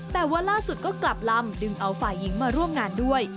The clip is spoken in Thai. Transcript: แต่ว่าล่าสุดก็กลับลำดึงเอาฝ่ายหญิงมาร่วมงานด้วย